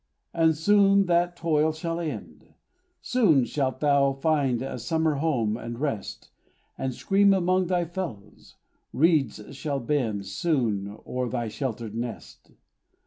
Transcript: And soon that toil shall end; Soon shalt thou find a summer home, and rest, And scream among thy fellows; reeds shall bend, Soon, o'er thy sheltered nest.